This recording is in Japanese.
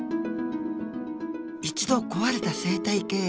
一度壊れた生態系。